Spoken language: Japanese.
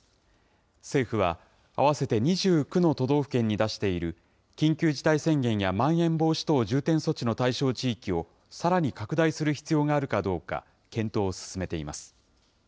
政府は、合わせて２９の都道府県に出している緊急事態宣言やまん延防止等重点措置の対象地域を、さらに拡大する必要があるかどうか、検討を進めています。